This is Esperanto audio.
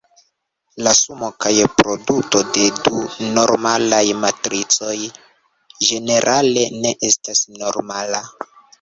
La sumo kaj produto de du normalaj matricoj ĝenerale ne estas normala.